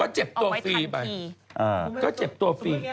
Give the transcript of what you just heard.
เจ็บตัวฟรีไปก็เจ็บตัวฟรี